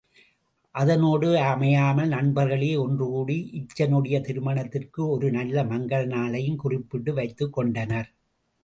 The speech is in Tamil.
அதனோடு அமையாமல் நண்பர்களே ஒன்றுகூடி இசைச்சனுடைய திருமணத்திற்கு ஒரு நல்ல மங்கல நாளையும் குறிப்பிட்டு வைத்துக் கொண்டனர்.